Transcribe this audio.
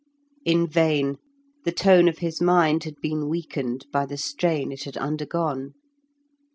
In vain: the tone of his mind had been weakened by the strain it had undergone.